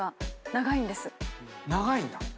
長いんだ。